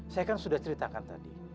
saya kan sudah ceritakan tadi